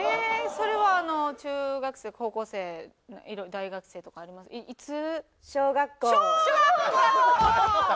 それはあの中学生高校生大学生とかありますけどいつ？小学校！